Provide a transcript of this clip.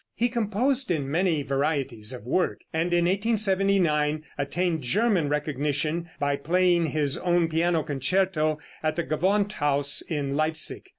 He composed in many varieties of work, and in 1879 attained German recognition by playing his own piano concerto at the Gewandhaus in Leipsic.